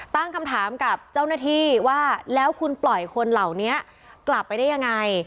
ตั้งคำถามกับเจ้าหน้าที่ว่าแล้วคุณปล่อยคนเหล่านี้กลับไปได้ยังไง